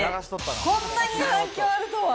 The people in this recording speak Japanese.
こんなに反響あるとは！